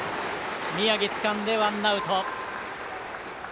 宮城、つかんでワンアウト。